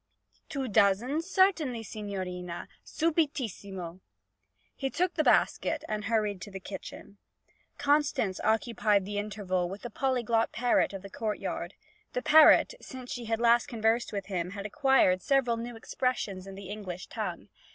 'Two dozen? Certainly, signorina. Subitissimo!' He took the basket and hurried to the kitchen. Constance occupied the interval with the polyglot parrot of the courtyard. The parrot, since she had last conversed with him, had acquired several new expressions in the English tongue.